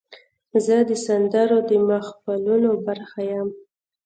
زه د سندرو د محفلونو برخه یم.